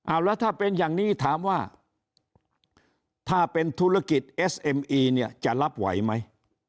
แล้วถ้าเป็นอย่างนี้ถามว่าถ้าเป็นธุรกิจเอสเอ็มอีเนี่ยจะรับไหวไหม